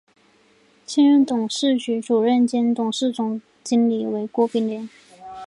现任董事局主席兼董事总经理为郭炳联。